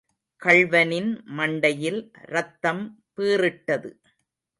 கள்வனின் மண்டையில் ரத்தம் பீறிட்டது.